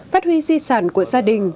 phát huy di sản của gia đình